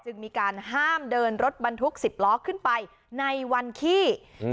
มีการห้ามเดินรถบรรทุกสิบล้อขึ้นไปในวันขี้อืม